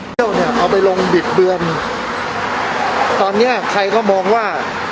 เที่ยวเนี่ยเอาไปลงบิดเบือนตอนเนี้ยใครเขามองว่า